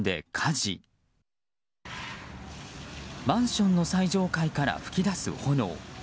マンションの最上階から噴き出す炎。